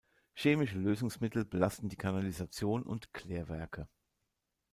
Chemische Lösungsmittel belasten die Kanalisation und Klärwerke.